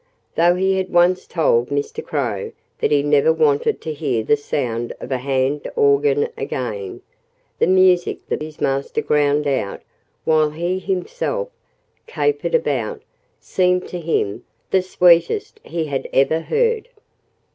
Though he had once told Mr. Crow that he never wanted to hear the sound of a hand organ again, the music that his master ground out while he himself capered about seemed to him the sweetest he had ever heard.